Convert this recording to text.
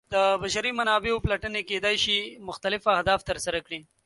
د بشري منابعو پلټنې کیدای شي مختلف اهداف ترسره کړي.